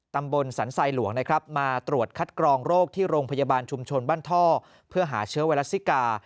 ตำบลสันทรายหลวงนะครับมาตรวจคัดกรองโรคที่โรงพยาบาลชุมชนบ้านท่อเพื่อหาเชื้อไวรัสซิกา